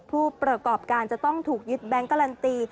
ผู้ประกอบการจะต้องถูกยึดแบงค์การันตี